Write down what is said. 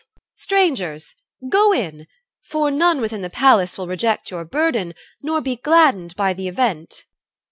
EL. (loudly). Strangers, go in! For none within the palace will reject Your burden, nor be gladdened by the event.